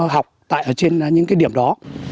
học tại ở trên những cái điểm đó